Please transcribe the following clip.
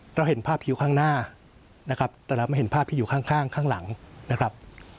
เราเห็นภาพผิวข้างหน้านะครับแต่เราไม่เห็นภาพที่อยู่ข้างข้างหลังนะครับ